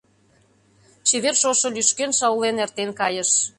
Чевер шошо лӱшкен-шаулен эртен кайыш.